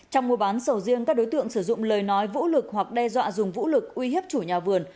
trong mùa bán sầu riêng các đối tượng sử dụng lời nói vũ lực hoặc đe dọa dùng vũ lực uy hiếp chủ nhà vườn